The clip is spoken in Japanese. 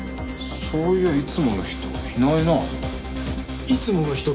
そういやいつもの人いないな。